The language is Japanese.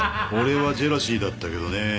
俺はジェラシーだったけどね。